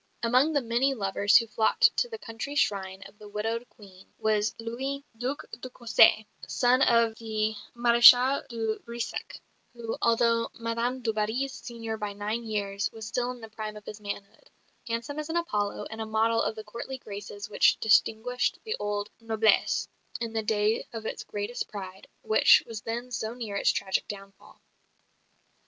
Among the many lovers who flocked to the country shrine of the widowed "Queen," was Louis, Duc de Cossé, son of the Maréchal de Brissac, who, although Madame du Barry's senior by nine years, was still in the prime of his manhood handsome as an Apollo and a model of the courtly graces which distinguished the old noblesse in the day of its greatest pride, which was then so near its tragic downfall.